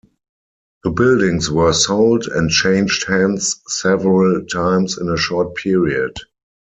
The buildings were sold, and changed hands several times in a short period.